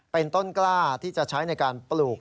เป็นต้นกล้าที่จะใช้ในการปลูก